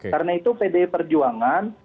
karena itu pdi perjuangan